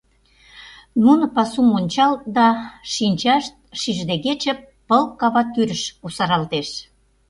Нуно пасум ончалыт да, шинчашт, шиждегече пыл-кава тӱрыш кусаралтеш.